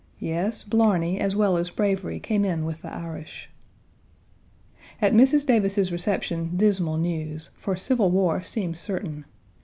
Yes, blarney as well as bravery came in with the Irish. At Mrs. Davis's reception dismal news, for civil war seems certain.